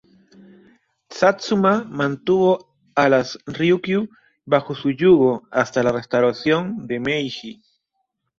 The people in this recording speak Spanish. Satsuma mantuvo a las Ryukyu bajo su yugo hasta la restauración de Meiji.